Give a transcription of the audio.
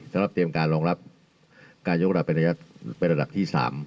สำหรับเตรียมการรองรับการยกรับไประดับที่๓